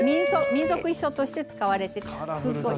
民族衣装として使われてすごい。